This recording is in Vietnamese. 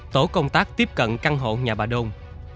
tổ công tác tiếp cận căn hộ nhà bà đôn